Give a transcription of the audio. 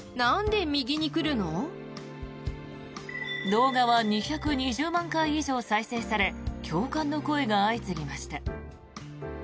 動画は２２０万回以上再生され共感の声が相次ぎました。